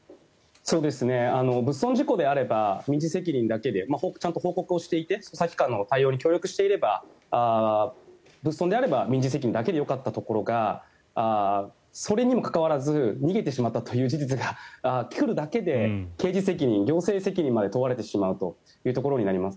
物損事故であれば民事責任だけでちゃんと報告をしていて捜査に協力していれば物損であれば民事責任だけでよかったところがそれにもかかわらず逃げてしまったという事実があるだけで刑事責任、行政責任まで問われてしまうということになります。